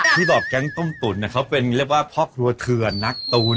ที่บอกแก๊งต้มตุ๋นเขาเป็นเรียกว่าพ่อครัวเถื่อนนักตูน